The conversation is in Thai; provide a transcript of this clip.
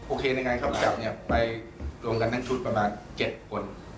โอเคนะไงครับจับเนี่ยไปโรงการนั่งชุดประมาณเจ็ดคน